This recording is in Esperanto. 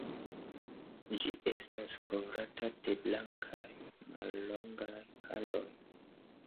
Ĝi estas kovrata de blankaj, mallongaj haroj.